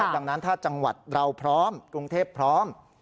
ดังนั้นถ้าจังหวัดเราพร้อมกรุงเทพพร้อม